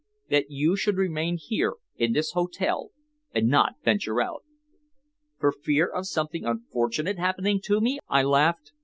"That you should remain here, in this hotel, and not venture out." "For fear of something unfortunate happening to me!" I laughed.